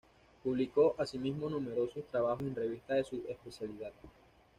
Publicó asimismo numerosos trabajos en revistas de su especialidad.